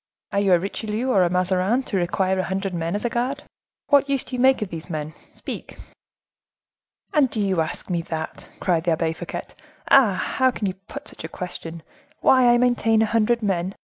"Are you a Richelieu or a Mazarin, to require a hundred men as a guard? What use do you make of these men?—speak." "And do you ask me that?" cried the Abbe Fouquet; "ah! how can you put such a question,—why I maintain a hundred men?